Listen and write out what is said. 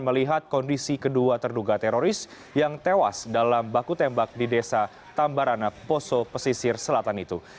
melihat kondisi kedua terduga teroris yang tewas dalam baku tembak di desa tambarana poso pesisir selatan itu